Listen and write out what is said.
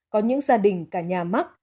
có những gia đình cả nhà mắc